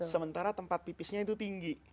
sementara tempat pipisnya itu tinggi